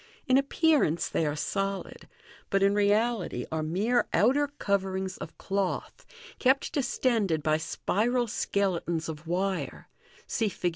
In appearance they are solid, but in reality are mere outer coverings of cloth, kept distended by spiral skeletons of wire {see Fig.